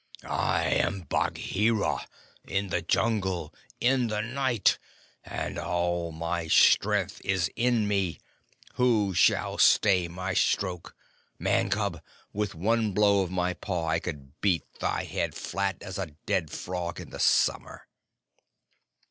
"I am Bagheera in the Jungle in the night, and all my strength is in me. Who shall stay my stroke? Man cub, with one blow of my paw I could beat thy head flat as a dead frog in the summer!"